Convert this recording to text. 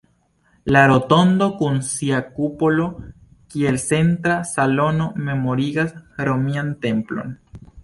La rotondo kun sia kupolo kiel centra salono memorigas romian templon.